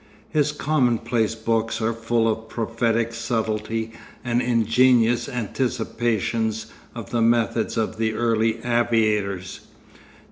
His common place books are full of prophetic subtlety and ingenious anticipations of the methods of the early aviators.